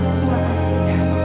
sayang ini pembalasannya pak